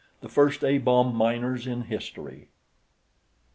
"The first A bomb miners in history...."